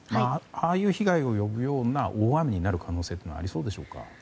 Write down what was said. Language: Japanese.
ああいう被害を呼ぶような大雨になる可能性というのはありそうでしょうか。